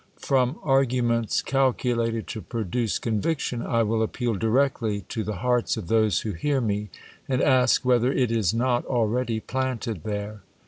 From arguments cal culated to produce conviction, I will appeal directly to the hearts of those who hear me, and ask whether it i*. not already planted there